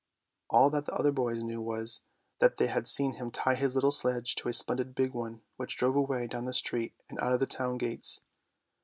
All that the other boys knew was, that they had seen him tie his little sledge to a splendid big one which drove away down the street and out of the town gates.